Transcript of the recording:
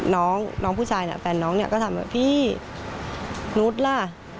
น้องผู้ชายแฟนน้องก็ถามว่าพี่นุ๊ดล่ะ